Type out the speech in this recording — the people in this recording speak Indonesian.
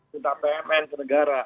kita pmn ke negara